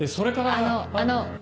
あのあの。